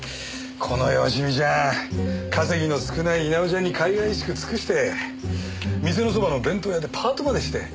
この佳美ちゃん稼ぎの少ない稲尾ちゃんにかいがいしく尽くして店のそばの弁当屋でパートまでして。